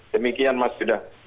demikian mas sudah